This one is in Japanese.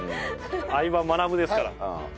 『相葉マナブ』ですから。